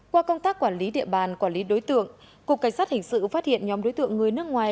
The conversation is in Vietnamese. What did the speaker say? qua công tác quản lý địa bàn quản lý đối tượng cục cảnh sát hình sự phát hiện nhóm đối tượng người nước ngoài